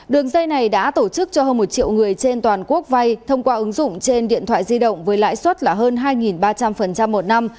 đường dây này đã tổ chức cho hơn một triệu người trên toàn quốc vay thông qua ứng dụng trên điện thoại di động với lãi suất là hơn hai ba trăm linh một năm